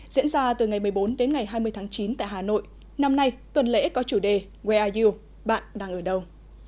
diễn ra từ ngày một mươi bốn đến ngày hai mươi tháng chín tại hà nội năm nay tuần lễ có chủ đề way yu bạn đang ở đâu